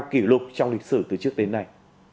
kỷ lục trong lịch sử từ trước đến nay